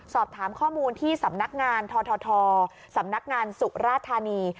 สอบถามข้อมูลที่สำนักงานททสำนักงานสุราธานี